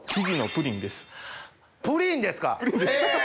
プリンですかえ！